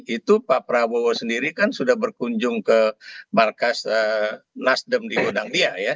itu pak prabowo sendiri kan sudah berkunjung ke markas nasdem di gudang dia ya